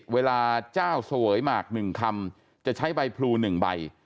เวลาเจ้าเสวยหมาก๑คำจะใช้ใบพลู๑ใบ